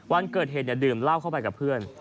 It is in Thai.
วันเกิดเหตุดื่มเหล้าเข้าไปกับเพื่อน